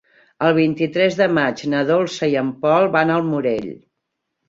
El vint-i-tres de maig na Dolça i en Pol van al Morell.